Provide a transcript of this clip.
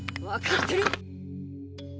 わかってる！